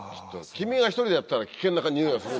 君が１人でやったら危険なニオイがする。